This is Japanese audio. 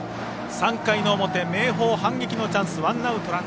３回の表明豊、反撃のチャンス。